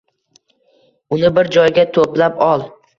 Uni bir joyga toʻplab ol.